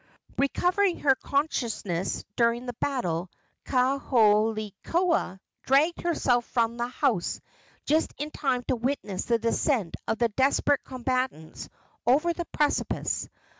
Recovering her consciousness during the battle, Kaholekua dragged herself from the house just in time to witness the descent of the desperate combatants over the precipice.